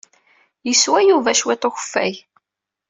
Yeswa Yuba cwiṭ n ukeffay.